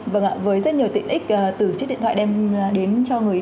vâng ạ với rất nhiều tiện ích từ chiếc điện thoại đem đến cho người